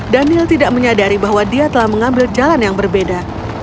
daniel tidak menyadari bahwa dia telah mengambil jalan yang berbeda